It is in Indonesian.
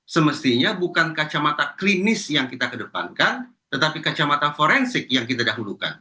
semestinya bukan kacamata klinis yang kita kedepankan tetapi kacamata forensik yang kita dahulukan